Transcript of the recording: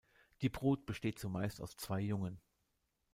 Die Brut besteht zumeist aus zwei Jungen.